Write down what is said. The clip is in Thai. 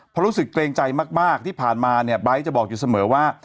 เพราะรู้สึกเกรงใจมากที่ผ่านมาเนี่ยไบท์จะบอกอยู่เสมอว่า